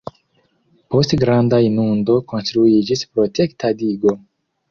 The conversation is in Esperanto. Post granda inundo konstruiĝis protekta digo.